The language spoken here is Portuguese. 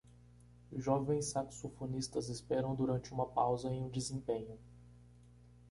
Jovens saxofonistas esperam durante uma pausa em um desempenho